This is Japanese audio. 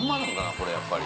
これやっぱり。